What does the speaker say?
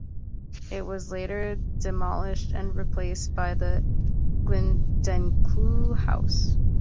It was later demolished and replaced by the Gyldenklou House.